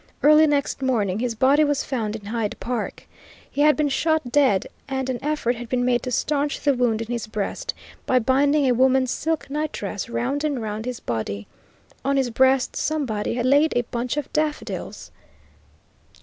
Early next morning his body was found in Hyde Park. He had been shot dead, and an effort had been made to stanch the wound in his breast by binding a woman's silk night dress round and round his body. On his breast somebody had laid a bunch of daffodils."